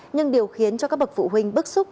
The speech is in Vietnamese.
nhưng điều khiến cho các bậc phụ huynh bức xúc